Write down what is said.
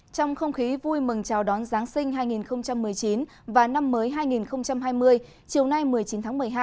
trong không khí vui mừng chào đón giáng sinh hai nghìn một mươi chín và năm mới hai nghìn hai mươi chiều nay một mươi chín tháng một mươi hai